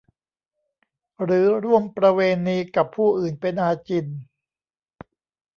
หรือร่วมประเวณีกับผู้อื่นเป็นอาจิณ